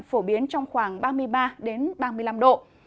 phổ biến trong khoảng ba mươi ba ba mươi năm độ